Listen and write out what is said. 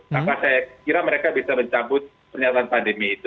maka saya kira mereka bisa mencabut pernyataan pandemi itu